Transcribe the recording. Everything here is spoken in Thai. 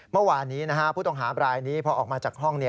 เมื่อวานนี้ผู้ต้องหาบรายนี้พอออกมาจากห้อง